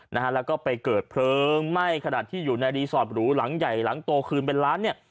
นะฮะแล้วก็ไปเกิดเพลิงไหม้ขนาดที่อยู่ในรีสอร์ทหรูหลังใหญ่หลังโตคืนเป็นล้านเนี่ย